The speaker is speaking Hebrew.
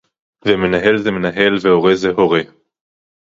ומנהל זה מנהל, והורה זה הורה